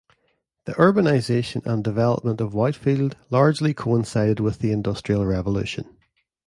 The urbanisation and development of Whitefield largely coincided with the Industrial Revolution.